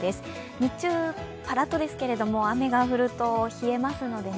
日中パラッとですけれども雨が降ると冷えますのでね